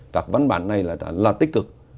các văn bản này là tích cực